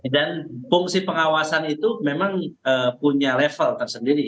dan fungsi pengawasan itu memang punya level tersendiri